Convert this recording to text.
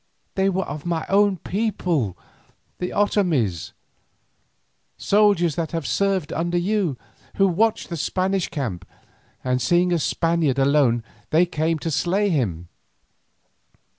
They were of my own people, the Otomies, soldiers that had served under you, who watched the Spanish camp, and seeing a Spaniard alone they came to slay him.